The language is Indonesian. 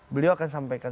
beliau akan sampaikan